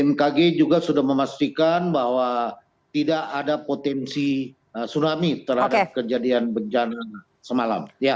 bmkg juga sudah memastikan bahwa tidak ada potensi tsunami terhadap kejadian bencana semalam